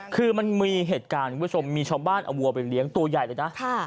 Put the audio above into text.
คือมันมีเหตุการณ์คุณผู้ชมมีชาวบ้านเอาวัวไปเลี้ยงตัวใหญ่เลยนะ